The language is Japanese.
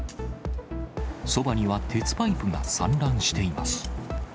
そばには鉄パイプが散乱しています。